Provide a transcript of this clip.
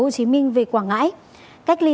hồ chí minh về quảng ngãi cách ly